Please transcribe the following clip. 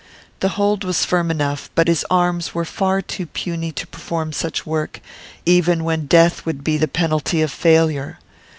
The hold was firm enough, but his arms were far too puny to perform such work, even when death would be the penalty of failure.